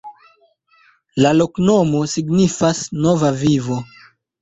La loknomo signifas: Nova Vivo.